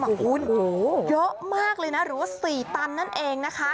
คุณเยอะมากเลยนะหรือว่า๔ตันนั่นเองนะคะ